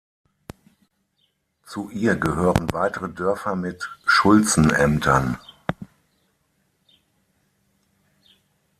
Zu ihr gehören weitere Dörfer mit Schulzenämtern.